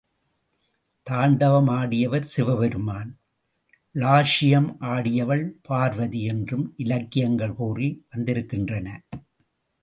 தாண்டவம் ஆடியவர் சிவபெருமான், லாஸ்யம் ஆடியவள் பார்வதி என்றும் இலக்கியங்கள் கூறி வந்திருக்கின்றன.